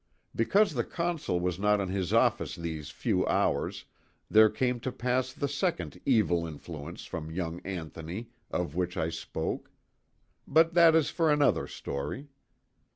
Because the Consul was not in his office these few hours, there came to pass the second "evil influence" from young Anthony of which I spoke. But that is for another story.